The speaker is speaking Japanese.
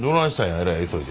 えらい急いで。